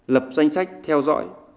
lập danh sách theo dõi